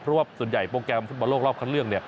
เพราะว่าส่วนใหญ่โปรแกรมฟุตบอลโลกรอบคันเลือก